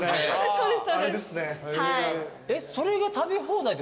そうです。